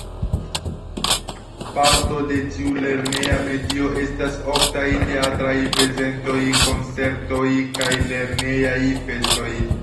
Parto de tiu lerneja medio estas oftaj teatraj prezentoj, koncertoj kaj lernejaj festoj.